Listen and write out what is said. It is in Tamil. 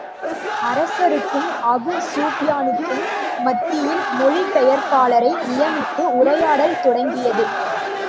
அரசருக்கும் அபூ ஸூப்யானுக்கும் மத்தியில் மொழிபெயர்ப்பாளரை நியமித்து, உரையாடல் தொடங்கியது.